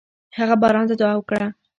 هغه باران ته دعا وکړه.